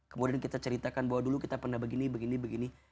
kemudian kita ceritakan bahwa dulu kita pernah begini begini